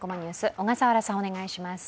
小笠原さん、お願いします。